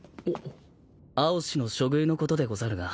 蒼紫の処遇のことでござるが。